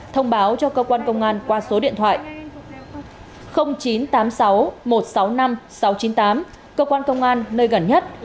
thông báo cho cơ quan công an qua số điện thoại chín trăm tám mươi sáu một trăm sáu mươi năm sáu trăm chín mươi tám cơ quan công an nơi gần nhất